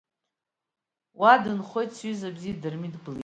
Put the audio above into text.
Уа дынхоит сҩыза бзиа Дырмит Гәлиа.